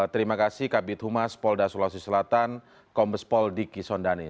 terima kasih kabinet humas pol dasulawasi selatan kompes pol diki sondani